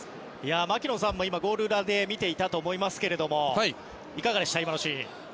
槙野さんもゴール裏で見ていたと思いますがいかがでしたか？